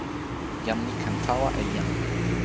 jan li ken tawa e jan.